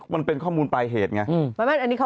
มันเป็นข้อมูลปลายเหตุไง